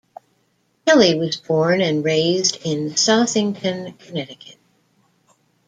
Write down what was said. Kelly was born and raised in Southington, Connecticut.